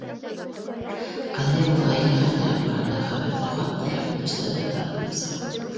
Ҡәҙриә был ғаилә хәлдәре тураһындағы хәбәрҙе хатта яҡын кешеләренә лә таратмаясаҡ